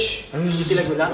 itu lagi udah